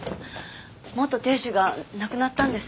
元亭主が亡くなったんです。